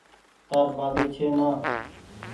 تآري ٻآٻي ڇي نآ